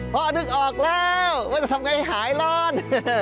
พ่อนึกออกแล้วว่าจะทำยังไงให้หายรอด